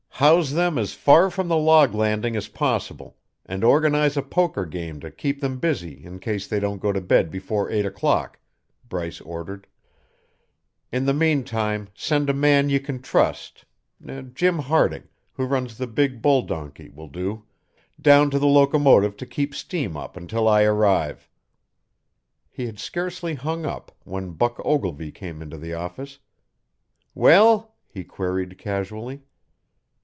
"House them as far from the log landing as possible, and organize a poker game to keep them busy in case they don't go to bed before eight o'clock," Bryce ordered. "In the meantime, send a man you can trust Jim Harding, who runs the big bull donkey, will do down to the locomotive to keep steam up until I arrive." He had scarcely hung up, when Buck Ogilvy came into the office. "Well?" he queried casually.